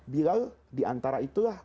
bilal diantara itulah